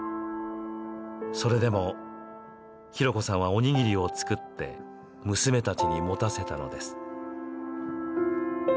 それでも、浩子さんはおにぎりを作って娘たちに持たせたのです。